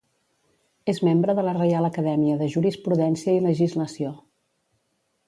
És membre de la Reial Acadèmia de Jurisprudència i Legislació.